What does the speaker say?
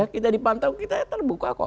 kita dipantau kita terbuka kok